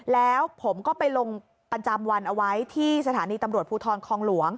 แล้วผมก็ไปลงประจำวันเอาไว้ที่สถานีตำรวจภูทรคองหลวง